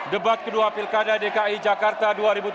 debat kedua pilkada dki jakarta